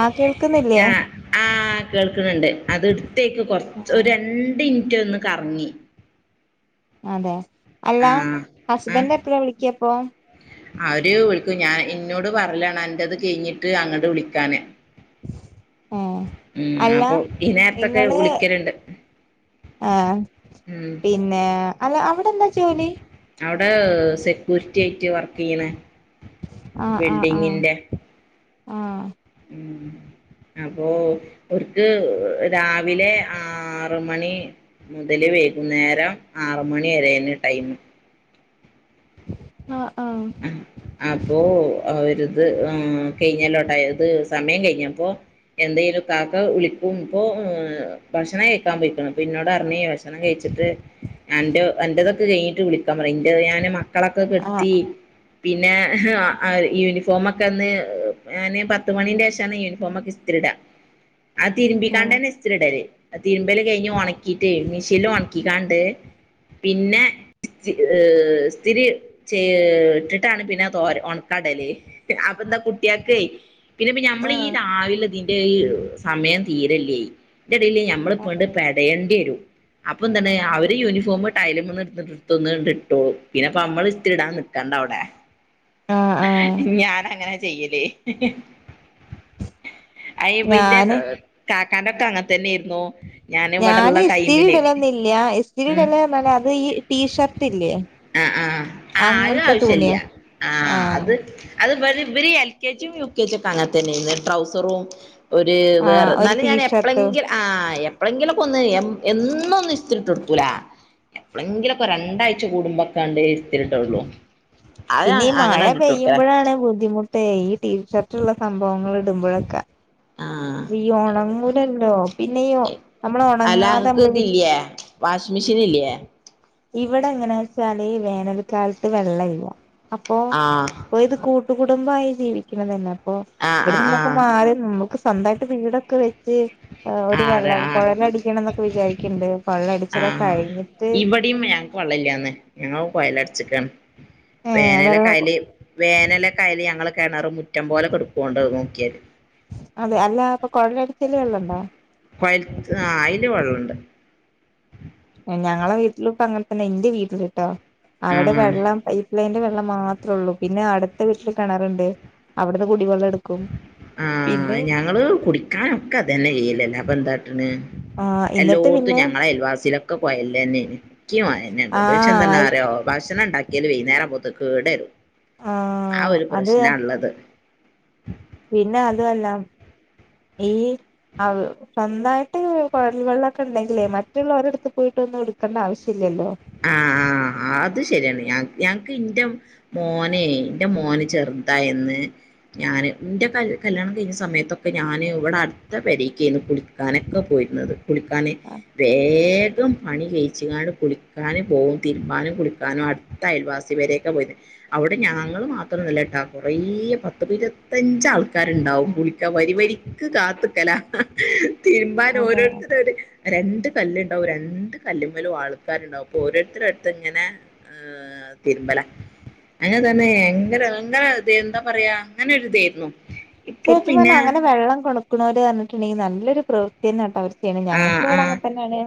ആ കേൾക്കുന്നില്ലേ ആ കേൾക്ക്‌ണ്ണ്ട് അത് ത്തേക്ക് ആ കൊർച്ച് ഒരണ്ട് ഇ മുറ്റ ഒന്ന് കറങ്ങി അതെ അല്ല ആ ആ ഹസ്ബൻഡ എപ്പോഴാ വിളിക്കിയ പ്പം അവര് വിളിക്കു ഞാൻ ഇന്നോട് പറലാണ് അന്റത് കഴിഞ്ഞിട്ട് അങ്ങോട്ട് വിളിക്കാന് [inaudible] ഉം അല്ല അപ്പൊ ഈ നേരത്തൊക്കെ വിളിക്കലണ്ട് ആ പിന്നെ അല്ല അവിടെ എന്താ ജോലി അവിടെ സെക്യൂരിറ്റി ആയിട്ട് വർക്ക് ചെയ്യണ അ ആ ആ ബിൽഡിങ്ങിന്റെ ആ ഉം അപ്പൊ ഓർക്ക് രാവിലെ ആറ് മണി മുതല് വൈകുന്നേരം ആറ് മണി വരാണ് ടൈമ ആ ആ അപ്പൊ അവര് അത് കഴിഞ്ഞല്ലോട്ട അത് സമയം കഴിഞ്ഞപ്പോ എന്തെലും കാക്ക വിളിക്കുമ്പോ ഭക്ഷണം കഴിക്കാൻ പോയിക്ക്‌ണ് അപ്പിന്നോടർഞ്ഞ് ഭക്ഷ ഭക്ഷണം കഴിച്ചിട്ട് അന്റെ കഴിഞ്ഞിട്ട് വിളിക്കാൻ പറി ന്റേത് ഞാൻ മ ക്കളൊക്കെ ആ കെടുത്തി പിന്നെ യൂണിഫോമൊക്കെന്ന് ഞാന് പത്ത് മണീന്റെഷാണ് യൂണിഫോമൊക്കെ ഇസ്തിരിടാ അത് തിരുമ്പിക്കാണ്ടന്നെ ഇസ്തിരിടല് തിരുമ്പല് കഴിഞ്ഞ് ഉണക്കീട്ടേ മിഷീൻല് ഉണക്കിക്കാണ്ട് പിന്നെ ഏ സ്ഥരി ച ട്ടിട്ടാണ് പിന്നെ തോര ഉണക്കാടല് അപ്പൊന്താ കുട്ടിയാക്കേ പിന്നെപ്പൊ ആ ഞമ്മളീ രാവിലെ ഇതിന്റെ സമയം തീരല്ല യ് ഐന്റെടീല് ഞമ്മളിപ്പണ്ട് അതെ പെടയണ്ടേരും അപ്പൊന്താണ് അവര് യൂണിഫോമ് ടൈലുംമ്മന്ന് ഇട്ത്തൊട്ന്ന്കാണ്ടിട്ടോളും പിന്നപ്പമ്മള് ഇസ്തിരിടാൻ നിക്കണ്ട ല്ലേ ആ ആ ഞാനങ്ങനെ ചെയ്യലേ ഞാന് [unintelligible] കനക്കങ്ങൻ തന്നെ ഞാന് ഇസ്തിരി ഇടലൊന്നില്ല്യാ ഇസ്തിരി ഉം ഇടല് പിന്നെ അത് ഈ ടീഷർട്ട് ഇല്ലേ ആ ആഹ് ആ ആയ്ന് അങ്ങനത്തെ തുണിയ ആവശ്യല്ല ആ ആഹ് അത് അത് ഇവര് എൽ കെ ജിയും യു കെ ജിയ ഒക്കെ അങ്ങനെ തന്നെലെ ട്രൗസറും ഒരു ആ ഒരു വേറെന്നാലും ഞാൻ ടീഷർട്ട് എപ്പളെങ്കിലും ആ എപ്പളെങ്കിലൊക്കൊന്ന് എന്നും ഒന്നും ഇസ്തിരിട്ടൊടുക്കൂല എപ്പളെങ്കിലൊക്കെ രണ്ടാഴ്ച കൂടുമ്പാക്കാണ്ട് ഇസ്തിരിട്ടൊടുക്കും പിന്നെ ഈ മഴ പെയ്യുമ്പോഴാണ് ബുദ്ധിമുട്ടെയ് ഈ ടീ ഷർട്ട്‌ ള്ള സംഭവങ്ങൾ ഇടുമ്പോഴൊക്കെ ആഹ് ഈ ഉണങ്ങൂലല്ലോ പിന്നെ ഈ നമ്മള് ഉണങ്ങാതെ നമ്മള് വിരിച്ച് വാഷ്മെഷീൻ ഇല്ല്യേ ണേ ഈ വേനൽക്കാലത്ത് വെള്ളം ഇല്ല അപ്പോ ആഹ് ഇത് കൂ കൂട്ടുകുടുംബായി ജീവിക്കുന്ന അപ്പ ആഹ് ഇവിടെ ആഹ് നിന്നൊക്കെ ആഹ് മാറി നമ്മുക്ക് സ്വന്തായിട്ട് വീടൊക്കെ വ ച്ച് ആ ഒരു അതെ വെള്ളം ആ കൊഴലടിക്കണന്നൊക്ക വിചാരിക്കുന്നുണ്ട് ആ കൊള്ളടിച്ചില ഇവിടെയും ഞങ്ങക്ക് വള്ളില്ലാന്ന് ഞങ്ങ കോയല അടച്ചക്കാണ് ഏ വെള്ളം വേനലക്കായല് വേനലക്കായല് ഞങ്ങള് കിണറ മുറ്റം പോലെ കെടുക്കോണ്ട് നോക്കിയാല് അതെ അല്ല ഇപ്പൊ കൊഴനടിച്ചല് വെള്ളണ്ടോ കൊയൽത്ത് ആ അയില് വെള്ളണ്ട് ഞങ്ങള വീട്ടിലിപ്പോ അങ്ങനത്തന്ന എന്റെ വീട്ടിലിട്ടോ ആ അവിടെ വെള്ളം പൈപ്പ് ലൈന്റെ മാത്രേ ഉള്ളൂ പിന്നെ അടുത്ത വീട്ടില് കിണറുണ്ട് അവിടുന്ന് കുടിവെള്ളം എടുക്കും ആഹ പിന്നെ ഞങ്ങള് കുടിക്കാനൊക്കെ അതനെ ചെയ്ലല്ല അപ്പ എന്താട്ടന് ആ എന്നിട്ട് എല്ലോടത്തും പിന്നെ ഞങ്ങളെ അയൽവാസിയിലൊക്കെ പുഴല്ല നി ആ ണ്ട്ക്ഷംന്തന്നെ ആയി അറോ ഭക്ഷണം ഉണ്ടാക്കിയല് വൈകേരം പോത്ന്ന് കേടരും ആ ആ ഒരു അത് പ്രശ്ന ഇള്ളത് പിന്നെ അതുഅല്ല ഈ അഹ് സ്വന്തായിട്ട് കുഴൽ വെള്ളംക്കെ ഉണ്ടെങ്കിലേ മറ്റുള്ളൊരടുത്ത് പോയിട്ട് ഒന്നും എടുക്കണ്ട ആവശ്യല്ലല്ലോ ആ ആ അത് ശരിയാണ് ഞാ ഞങ്ങക്ക് എറെ മോനെ എറെ മോന് ചെറുതാ എന്ന് ഞാന് എറെല് കല്യാണം കഴിഞ്ഞ സമയത്തൊക്കെ ഞാന് ഇവിടെ അടുത്ത വരക്കായിരുന്നു കുളിക്കാനൊക്കെ പോയിരുന്നത് കുളിക്കാന് വേഗം പണി കഴച്ച്ണ്ട് കുളി ഞാനും പോകും തിരുമ്പാനും കുളിക്കാനും അടുത്ത അയൽവാസി വരെയൊക്കെ പോയിരുന്നു അവിടെ ഞങ്ങൾ മാത്രംല്ല കേട്ടോ കുറേ പത്ത് ഇരുപത്തഞ്ചാൾക്ക് കിക്കാരുണ്ടാവും ഗളിക്ക വരി വരിക്ക് കാത്തക്കല തിരുമ്പാൻ അതെ ഓരോരുത്തരര് രണ്ട് കല്ല്ണ്ടാവും രണ്ട് കല്ലുമ്മലും ആൾക്കാരുണ്ടാവും ഓരോരുത്തരുടുത്ത് ഇങ്ങനെ ഏർ തിരുമ്പല അങ്ങനെ തന്നെ ഭയങ്കര ഭയങ്കര ഇത് എന്താ പറയാ അങ്ങനെൊരി ഇതായിരുന്നു ഇപ്പൊ ശരിക്കും പിന്നെ പറഞ്ഞൽ അങ്ങനെ വെള്ളം കൊടു നണവര് പറഞ്ഞിട്ടുണ്ടെങ്കിൽ നല്ലൊരു പ്രവൃത്തി തന്നെട്ട അവർ ഞങ്ങക്ക് ഇവിടെ അങ്ങനെ തന്നെയാണ്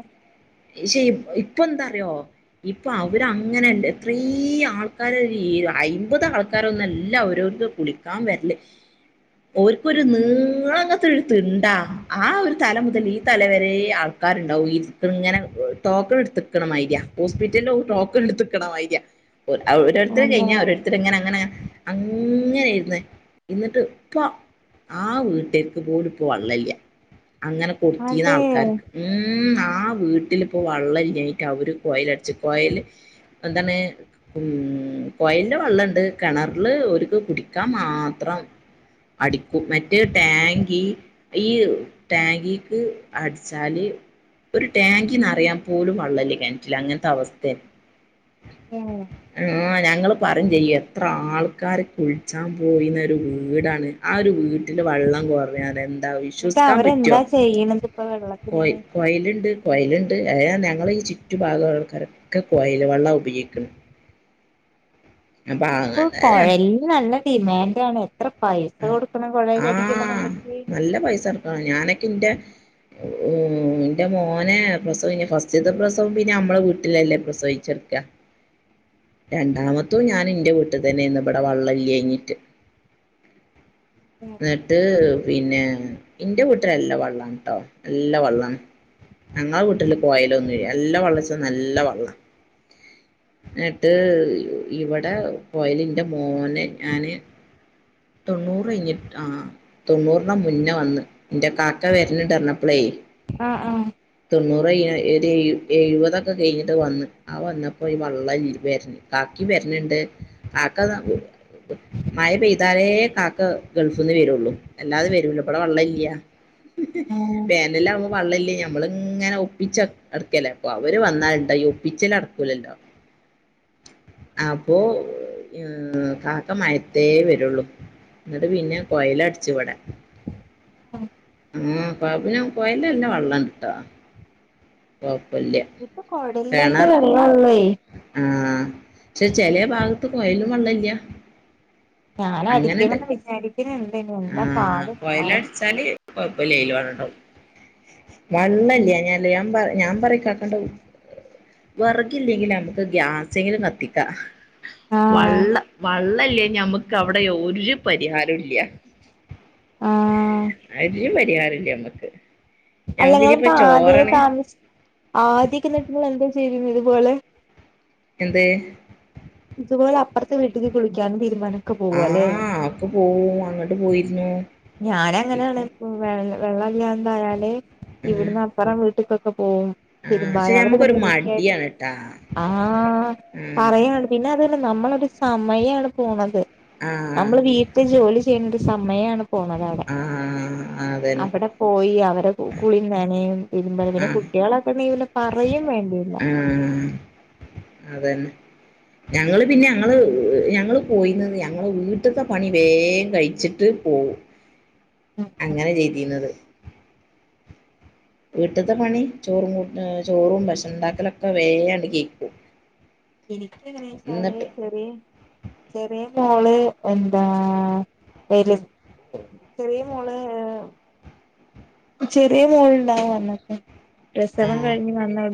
ഇശ്ലേ ഇപ്പൊ എന്താറിയോ ഇപ്പൊ അവര് അങ്ങനെല്ല എത്ര ആൾക്കാര് അയിമ്പത് ആൾക്കാരൊന്നുംല്ല അവരവർക്ക് കുളിക്കാൻ വരല് ഓർക്കൊരു നീങ്ങളങ്ങനത്തെ ഒരു തിണ്ടാ ആ ഒരു തല മുതൽ ഈ തല വരെ ആൾക്കാരുണ്ടാവും ഇങ്ങനെ ടോക്കൺ എടുത്തക്കണ മാര്യ ഹോസ്പിറ്റല ടോക്കൺ എടുത്തക്കണമായിര്യ ഓരോരുത്തര് കഴിഞ്ഞ ഓരോരുത്തരങ്ങനെ അങ്ങനെ അങ്ങനെ ഇരന്ന് ഇന്ന്ട്ട്ഇപ്പ ആ വീട്ടേക്ക് പോലുംഇപ്പോ വള്ളല്ല അങ്ങനെ കൊടുത്തിുന്ന അതെ ആൾക്കാർക്ക് മ്മം ആ വീ വട്ടിപ്പോ വെള്ളംഞ്ഞട്ട് അവര് കോൽ അടച്ച്കോൽ എന്താണ് ഉ കോലില് വെള്ളംണ്ട് കിണറില് ഒരുക്ക് കുടിക്കാൻ മാത്രം അടിക്കും മറ്റേ ടാങ്കി ഈ ടാങ്കിക്ക് അടിച്ചാല് ഒരു ടാങ്ക ന്നറിയൻ പോലും വള്ളല്ലേ കണറ്റില്ല അങ്ങനത്തെ അവസ്ഥയ അതെ [unintelligible] ഞങ്ങൾ പറഞ്ഞു ചെയ്യും എത്ര ആൾക്കാരെ കുളിച്ചാൻ പോയിന്ന ഒരു വീടാണ് ആ ഒരു വീട്ടില് വെള്ളം കുറവ അത എന്നിട്ട് അവരെന്താ ചെയ്യണത് ഇപ്പൊ വെള്ളത്തിന് പൊഴേലുണ്ട് അ ഞങ്ങള് ഈ ചുറ്റു ഭാഗങ്ങളൊക്കെ പൊഴേൽ വെള്ളം ഉപയോഗിക്കണ് ഇപ്പോൾ അങ്ങനെ കുഴലിന് നല്ല ഡിമാൻഡ് ആണ് എത്ര പൈസ കൊടുക്കണം കുഴേ ആ കടിക്കണം എന്നുണ്ടെങ്കിൽ എന്റെ ഉം എന്റെ മോനെ പ്രസവം ഇ ഫസ്റ്റത്തെ പ്രസവം പിന്നെ നമ്മള വീട്ടിലല്ലേ പ്രസവിച്ചെർക്കാ രണ്ടാമത്തും ഞാൻ എന്റെ വീട്ടിൽ തന്നെ ഇവിടെ വെള്ളല്ല്യാഞ്ഞിട്ട് എന്നിട്ട് പിന്നെ ഇന്റെ വീട്ടില് എല്ലാ വെള്ളാണ്ട്ട്ടോ എല്ലാ വെള്ളമാണ് ഞങ്ങളുടെ വീട്ടില് പോയല ഒന്നും ഇല്ല നല്ല വെള്ളച്ച നല്ല വള്ളം എന്നിട്ട് ഇവിടെ പോയല് എന്റെ മോനെ ഞാന് തൊണ്ണൂറ് കഴിഞ്ഞിട്ട് ആ തൊണ്ണൂറിന മുന്നേ വന്ന് എന്റെ കാക്ക വരുന്നിട്ടറിഞ്ഞപ്പളേ ആഹ് ആഹ് തൊണ്ണൂറ് എഴുപതൊക്കെ കഴിഞ്ഞിട്ട് വന്ന് ആ വന്നപ്പോ ഈ വള്ള വരണി കാക്കി വരണിണ്ട് കാക്ക മഴ പെയ അതാലേ കാക്ക ഗൾഫിൽ നിന്ന് വരുള്ളു അല്ലാതെ വരുലൂ ഇവിടെ വെള്ളം ഇല്ല ഉം പേനെല്ലാം ആകുമ്പോ വെള്ളം ഇല്ല ഞമ്മൾ ഇങ്ങനെ ഒപ്പിച്ച അടക്കല്ലേ അപ്പൊ അവര് വന്നാലുണ്ട ഒപ്പിച്ചല നടക്കൂലല്ലോ അപ്പോ കാക്ക മയത്തേ വ ഒള്ളു എന്നിട്ട് പിന്നെ കൊയൽ അടിച്ചുവിടാ ആ പാബന് കോയല എല്ലാം വെള്ളം കിട്ട ഒ ഇപ്പൊ കൊടലിലല്ലെ വെള്ളെള്ളേയ്- ആഹ് - പക്ഷെ ചെലേ ഭാഗത്ത് പോയല് വെള്ളല്ല്യാ- ഞാനടിക്കണന്ന് വിചാരിക്കണുണ്ട് എന്താ [unintelligible] കൊഴപ്പില്ലെല്ലോ [unintelligible] വെള്ളല്ല്യാഞ്ഞാൽ ഞാൻ പറ ഞാൻ പറയും ഇക്കാക്കന്ട് വെറകില്ലെങ്കിൽ നമുക്ക് ഗ്യാസെങ്കിലും കത്തിക്ക ആഹ് വള്ള വള്ള തല്ലേ ഞമുക്ക് അവിടെ ഒരു പരിഹാരം ഇല്ല്യ ആഹ് അയിത് പറ്റി [unintelligible] ചെയ്യാറില്ലേ നമ്മക്ക് അല്ല ഞമ്മക്ക് ഇങ്ങള് ഇനിയിപ്പോ ഇപ്പ ആദ്യ ചോറാണ് താമ ആദ്യക്കെ നിങ്ങൾ എന്താ ചെയ ഇതുപോലെ എന്ത് ഇതുപോലെ അപ്പുറത്തെ വീട്ടിൽ കുളിക്കാൻ തീരുബാനും ആ ഓക്കേ പോവും അങ്ങോട്ട് പോയിരുന്നു ഞാനങ്ങനെണ് വെ വെള്ള എന്തായാല് ഉം ഇവിടന്നാ അപ്പെറം വീട്ട്ക്ക്ക്കൊ പോവും ആഹ് പക്ഷെ തിതുംബാന് ഞമ്മക്കൊരു [unintelligible] മടിയാണ് ട്ടാ ആ ഉം പറയാണ്ടെ പിന്നെ അത് അല്ല നമ്മളെ സമയാണ് പോണത് ആഹ് നമ്മള് വീട്ടിൽ ജോലി ചേയ്യാണ്ടി സമയമാണ് പോണതാവിടെ ആഹ് അതന്നെ അവിടെ പോയി അവരെ കുളീം നനയും [unintelligible] പിന്നെ ആഹ് കുട്ട്യാളൊക്കെ ഇണ്ടെങ്കി പിന്നെ പറയേം വേണ്ടില്ല ആഹ് അതന്നെ ഞങ്ങള് പിന്നെ ഞങ്ങള് ഞങ്ങള് പോയിന്നത് ഞങ്ങള് വീട്ട്ത്തെ പണി വേം കഴിച്ചിട്ട് പോവും ഉം ഉം അങ്ങനെ ചെയ്തീന്നത് വീട്ട്ത്തെ പണി ചോറും കൂട്ട ചോറും ഭക്ഷണണ്ടാക്കലൊക്കെ വേണ്ട് കെഴ്ക്കും എനിക്ക്ങ്ങനെ വച്ചാല് ചെറേ ചെറേ മോള് എന്താ വെലു ചെറിയ മോള് ചെറിയ മോളുണ്ടാവും വന്നക്ക പ്രസവം ആഹ് കഴിഞ്ഞ് വന്ന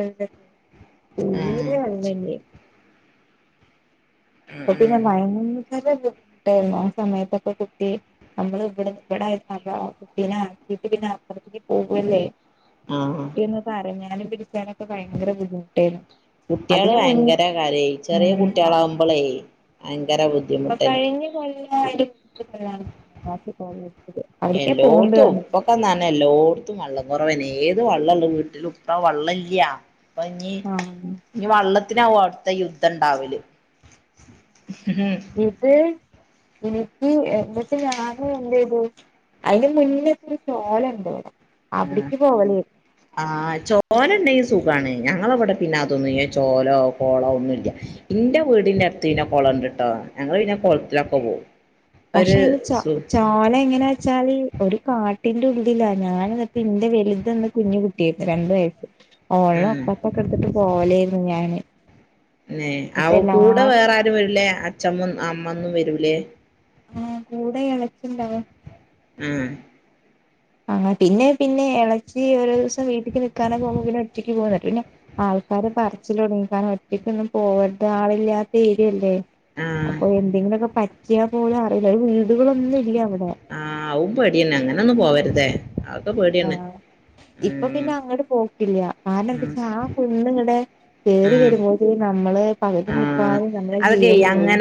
ആഹ് [unintelligible] [inaudible] അേ [unintelligible] അ ആഹ് പിന്നെ മയ [unintelligible] ന ബുദ്ധിമുട്ടായിരുന്നു ആ സമയത്തൊക്കെ കുട്ടി നമ്മൾ ഇവിടെ ഇവിടെ കുട്ടനീട്ട പിന്നെ അപ്പുറത്തേക്ക് പോകല്ലേ ആഹ് ആഹ് കുട്ടിന്ന് പറ ഞാൻ [unintelligible] പടിക്കാനൊക്കെ ഭയങ്കര ബുദ്ധിമുട്ടായിരുന്നു കുട്ടികള് അതിന് മുൻ ഭയങ്കര കാര്യായി ചെറിയ ഉം കുട്ടികളാകുമ്പോളേ ഭയങ്കര ബുദ്ധിമുട്ടന് ആ [unintelligible] അവിടേക്കാ പോവ്ണ്ട് എല്ലായിടത്തും പറഞ്ഞിട്ട് ഉപ്പൊക്കെന്നന്നെ എല്ലായിടത്തും വള്ള കുറവന് ഏത് വെള്ളല്ലോ വീട്ടില ഇപ്പ്ര വെള്ളല്ല അപ്പ ഇനി ആഹ് ഇനി വള്ളത്തി ത്തി അവിടുത്തെ യുദ്ധം ഉണ്ടാവല് ഇത് എനിക്ക് എന്നിട്ട് ഞാന് എന്ത ചെയത് അതിന് മുന്നേപ്പ ഒരു ചോലുണ്ട് ആ ആഹ ചോന [unintelligible] സുഖമാണ് ഞങ്ങളവിടെ പിന്നെ അതൊന്നും ചോലോ കോളോ ഒന്നുമ ഇല്ല എന്റെ വീടിന്റെ അടുത്ത് പിന്നെ കുളംണ്ട് ട്ടോ ഞങ്ങൾ പിന്നെ കുളത്തിലൊക്കെ പോവും പക്ഷെ ഒരു അയി ചോ സു ചോല എങ്ങനാ വെച്ചാല്. ഒരു കാട്ടിന്റെ ഉള്ളിലാ ഞാനിപ്പം ഇന്റെ വലുതന്ന് കുഞ്ഞ് കുട്ടിയാരുന്നു രണ്ടു വയസ്സ്. ഓളെ ആഹ് ഒക്കത്തൊക്കെ എടുത്തിട്ട് പോ പോലെന്ന് ഞാന്. നെ അവ എന്നിട്ട് എല്ലാ കൂടെ വേറെ ആരും വരില്ലേ? അച്ഛമ്മ അമ്മ ഒന്നും വരൂലേ? ആഹ്‌ കൂടെ ഇളച്ചി ഉണ്ടാവും. ഉം അ പിന്നെ പിന്നെ ഇളച്ചി ഒരു ദിവസം വീട്ടക്ക് നക്കാന് പോകുമ്പോ പിന്നെ ഒറ്റയ്ക്ക് പോകും എന്നിട്ട് പിന്നെ ആൾക്കാര് പറച്ചില് തുടങ്ങി കാരണം ഒറ്റക്ക് ഒന്നും പോകരുത് ആളില്ലാത്ത ഏരിയല്ലേ. ആഹ് അപ്പൊ എന്തെങ്കിലുമൊക്കെ പറ്റി യാ പോലും അറിയില്ല വീടുകളൊന്നും ഇല്ല അവിടെ ആഹ് അവു പേടി ന്നെ അങ്ങനെ ഒന്നും പോവാരുത്. ആഹ്‌ ഇപ്പൊ ഉം പിന്നെ അങ്ങട് പോക്കില്ല കാരണം ഉം എന്താച്ചാ ആ കുന്ന് ഇങ്ങട് ഹേ. കേറി ഉം വരുമ്പോളെക്ക് നമ്മള് പകുതി മുക്കാലും നമ്മുടെ ജീവൻ പോയി.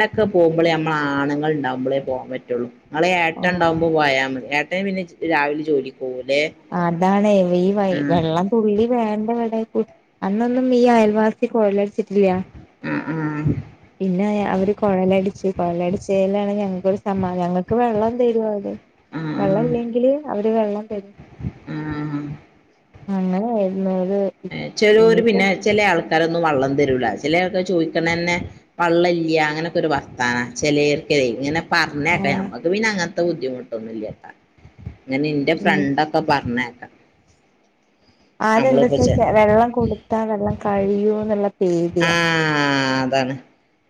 മ്പളേ നമ്മ ആണുങ്ങൾ ഉണ്ടാവുമ്പളേ പോകൻ പറ്റുള്ളൂ. ഇങ്ങളെ ഏട്ടൻ ഓ ഉണ്ടാവുമ്പോ പോയാ മതി ഏട്ടാ ൻ പിന്നെ രാവിലെ ജോലിക്ക് പോകൂല്ലേ അതാണേ ഈ വ ആഹ് വെള്ളം തുള്ളി വേണ്ടേ ഇവിടെ. അന്നൊന്നും ഈ അയൽവാസി കോയല് അടി ച്ചിട്ടില്ലാ ആഹ് ആഹ് പിന്നെ അയാ അവര് കൊഴലടിച്ചു കൊഴലടിച്ചേലാണ് ഞങ്ങക്ക് ഒരു സമാന ഞങ്ങൾക്ക് വെള്ളം തരും അവര് വെള്ളം ആഹ് ഇല്ലെങ്കില് അവര് വെള്ളം തരും. ആ അങ്ങനാരുന്നു. ചെലോര് പിന്നെ ചില ആൾക്കാ രോന്നും വള്ളം തരൂല ചില ആള്ക്കാര്. ചോദിക്കണ തന്നെ. വള്ളല്യയാ അങ്ങനൊക്കൊ ഒരു വർത്താന ചിലേർക്കേ ഇങ്ങനെ പറഞ്ഞ് കേക്കാം ആഹ് നമ്മക്ക് പിന്നെ അങ്ങനെത്തേ [unintelligible] ബുദ്ധിമുട്ടൊന്നുമില്ലട്ടോ. അങ്ങനെ എന്റെ ഉം ഫ്രണ്ടൊക്കെ പറഞ്ഞ് ചെ അതെന്താച്ചാ വെള്ളം കൊടുത്താ വെള്ളം കഴിയോ എന്നുള്ള ആ അതാണ്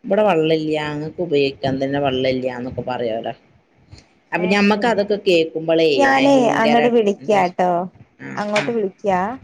ഇവിടെ വള്ളല്ല്യാ ഞങ്ങക്ക് ഉപയോഗിക്കാൻ തന്നെ വള്ളല്ല്യാന്നൊക്കെ പറയൊല്ലോ ഞാനേ ഭയങ്കര അങ്ങട്ട് വിളിക്ക്യാട്ടോ ആ ആ അങ്ങോട്ട് വിളിക്ക്യാ [inaudible]